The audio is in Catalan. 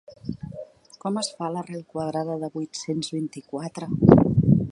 Com es fa l'arrel quadrada de vuit-cents vint-i-quatre?